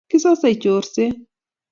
Kisasei chorset